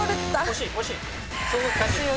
惜しい惜しい。